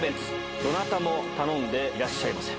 どなたも頼んでいらっしゃいません。